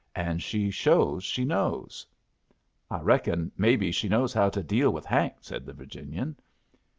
And she shows she knows." "I reckon maybe she knows how to deal with Hank," said the Virginian.